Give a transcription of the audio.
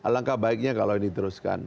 langkah baiknya kalau ini teruskan